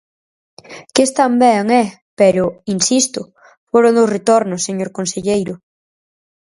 Que están ben, ¡eh!, pero, insisto, foron dous retornos, señor conselleiro.